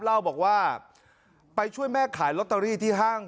เล่าบอกว่าไปช่วยแม่ขายลอตเตอรี่ที่ห้าง